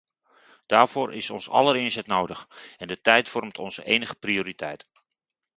Daarvoor is ons aller inzet nodig en de tijd vormt onze enige prioriteit.